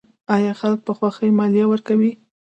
آیا خلک په خوښۍ مالیه ورکوي؟